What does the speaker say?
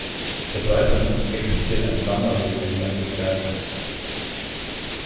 Des Weiteren existiert ein Wanderweg entlang des Bergkamms.